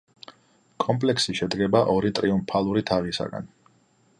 კომპლექსი შედგება ორი ტრიუმფალური თაღისაგან.